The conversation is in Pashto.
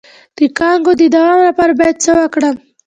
د کانګو د دوام لپاره باید څه وکړم؟